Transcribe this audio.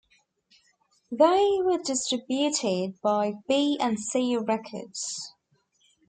They were distributed by B and C Records.